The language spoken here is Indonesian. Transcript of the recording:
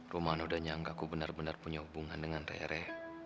rumana udah nyangka ku bener bener punya hubungan dengan rere